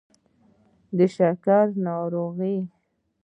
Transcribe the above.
د شکر ناروغي